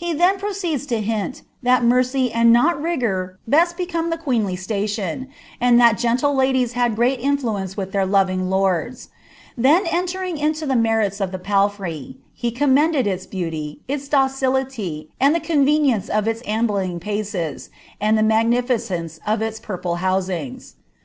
lie then proceeds to hint ihat mercy and not rigour best became iha qorenly station, and that gende ladies had great influence with their loving lords; tlien entering into the meriis of the palfrev, he com> mended iis beauty, its docility, and the convenience of iia ambling pnces, hkI the magnificence of iis purple housings.